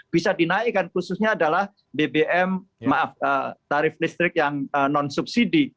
bisa dinaikkan khususnya adalah bbm maaf tarif listrik yang non subsidi